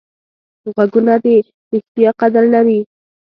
غوږونه د ریښتیا قدر لري